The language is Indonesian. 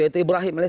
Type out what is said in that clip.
yaitu ibrahim